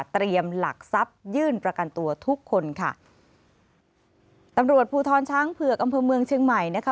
หลักทรัพยื่นประกันตัวทุกคนค่ะตำรวจภูทรช้างเผือกอำเภอเมืองเชียงใหม่นะคะ